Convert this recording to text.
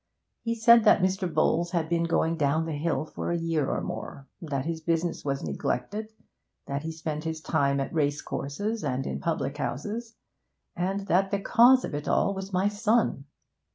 'He said that Mr. Bowles had been going down the hill for a year or more that his business was neglected, that he spent his time at racecourses and in public houses and that the cause of it all was my son.